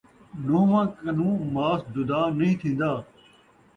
نہوّاں کنوں ماس جدا نئیں تھین٘دا